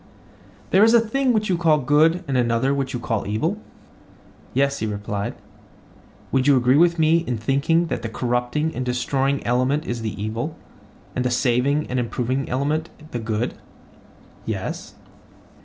There is a thing which you call good and another which you call evil? Yes, he replied. Would you agree with me in thinking that the corrupting and destroying element is the evil, and the saving and improving element the good? Yes.